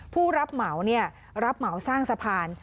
ผู้รับเหมารับเหมาสร้างสะพาน